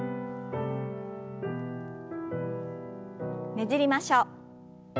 ねじりましょう。